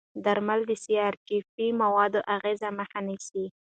درمل د سی ار جي پي موادو اغېزې مخه نیسي.